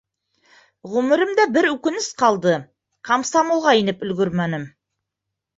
— Ғүмеремдә бер үкенес ҡалды — комсомолға инеп өлгөрмәнем.